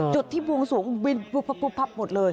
จดที่วงสวงวินบุบบบหมดเลย